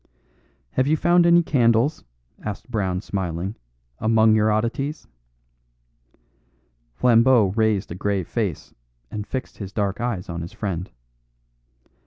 "Have you found any candles," asked Brown smiling, "among your oddities?" Flambeau raised a grave face, and fixed his dark eyes on his friend.